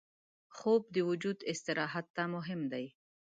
خوب د وجود استراحت ته مهم دی